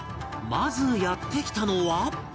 まずやって来たのは